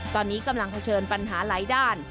ตอนนี้กำลังเผชิญปัญหาหลายด้าน